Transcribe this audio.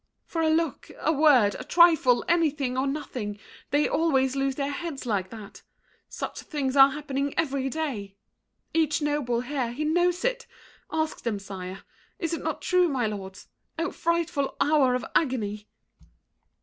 For a look, A word, a trifle, anything or nothing, They always lose their heads like that! Such things Are happening every day. Each noble, here, He knows it. Ask them, sire! Is it not true, My lords? Oh, frightful hour of agony!